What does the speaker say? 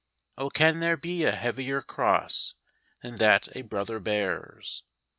Oh, can there be a heavier cross Than that a brother bears?